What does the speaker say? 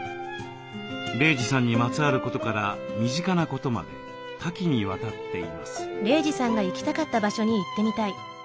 玲児さんにまつわることから身近なことまで多岐にわたっています。